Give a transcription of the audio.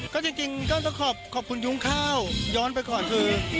ก็จริงก็ต้องขอบคุณยุ้งข้าวย้อนไปก่อนคือ